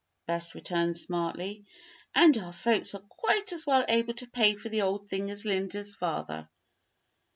Bess returned smartly. "And our folks are quite as well able to pay for the old thing as Linda's father."